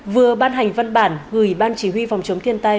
vừa ban hành văn bản gửi ban chỉ huy phòng chống thiên tai